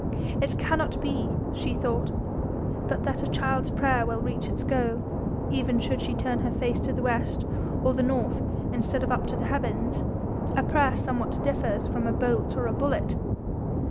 'It cannot be,' she thought, 'but that a child's prayer will reach its goal, even should she turn her face to the west or the north instead of up to the heavens! A prayer somewhat differs from a bolt or a bullet.'